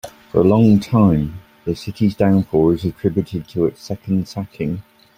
For a long time, the city's downfall was attributed to its second sacking.